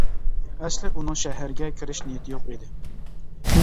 ئەسلى ئۇنىڭ شەھەرگە كىرىش نىيىتى يوق ئىدى.